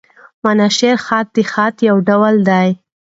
مناشیر خط؛ د خط یو ډول دﺉ.